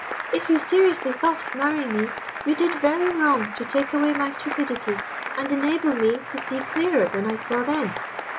If you seriously thought of marrying me, you did very wrong to take away my stupidity, and enable me to see clearer than I saw then."